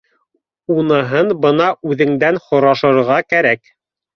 — Уныһын бына үҙеңдән һорашырға кәрәк